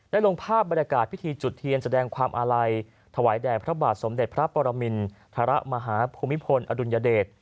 ลงภาพบรรยากาศพิธีจุดเทียนแสดงความอาลัยถวายแด่พระบาทสมเด็จพระปรมินทรมาฮภูมิพลอดุลยเดช